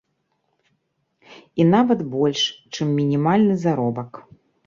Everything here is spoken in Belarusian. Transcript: І нават больш, чым мінімальны заробак.